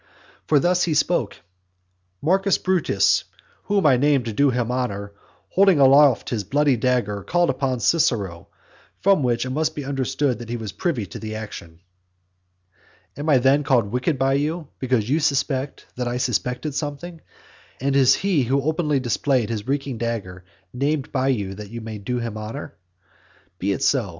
For thus he spoke: "Marcus Brutus, whom I name to do him honour, holding aloft his bloody dagger, called upon Cicero, from which it must be understood that he was privy to the action." Am I then called wicked by you because you suspect that I suspected something; and is he who openly displayed his reeking dagger, named by you that you may do him honour? Be it so.